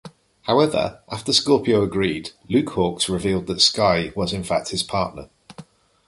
However, after Scorpio agreed, Luke Hawx revealed that Sky was in fact his partner.